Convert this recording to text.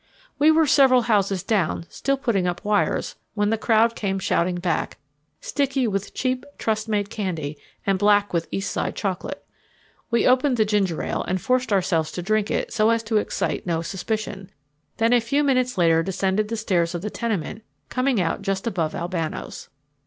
We were several houses down, still putting up wires when the crowd came shouting back, sticky with cheap trust made candy and black with East Side chocolate. We opened the ginger ale and forced ourselves to drink it so as to excite no suspicion, then a few minutes later descended the stairs of the tenement, coming out just above Albano's.